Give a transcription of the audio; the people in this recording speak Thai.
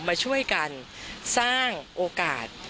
มาช่วยกันสร้างโอกาส